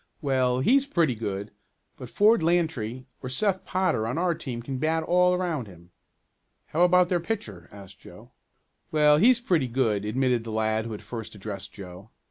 "Well, he's pretty good, but Ford Lantry or Seth Potter on our team can bat all around him." "How about their pitcher?" asked Joe. "Well, he's pretty good," admitted the lad who had first addressed Joe.